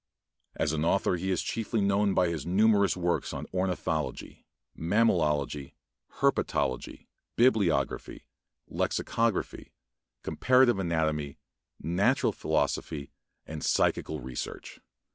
As an author he is chiefly known by his numerous works on ornithology, mammalogy, herpetology, bibliography, lexicography, comparative anatomy, natural philosophy, and psychical research.